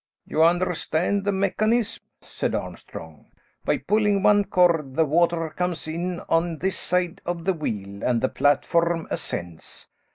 "You understand the mechanism?" said Armstrong. "By pulling one cord, the water comes in on this side of the wheel and the platform ascends.